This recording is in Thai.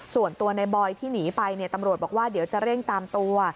ส่วนตัวในบอยที่หนีไปตำรวจบอกว่าเดี๋ยวจะเร่งตามตัว